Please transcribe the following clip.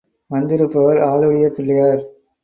வந்திருப்பவர் ஆளுடைய பிள்ளையார்.